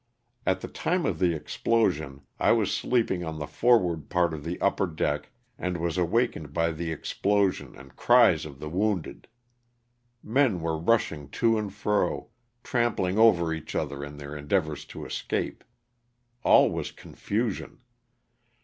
At the time of the explosion I was sleeping on the forward part of the upper deck and was awakened by the explosion and cries of the wounded. Men were rushing to and fro, trampling over each other in their endeavors to escape. All was confusion.